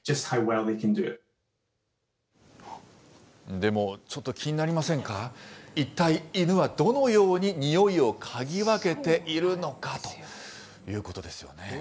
でもちょっと気になりませんか、一体、犬はどのように匂いを嗅ぎ分けているのかということですよね。